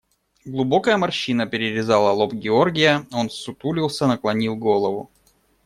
Глубокая морщина перерезала лоб Георгия, он ссутулился, наклонил голову.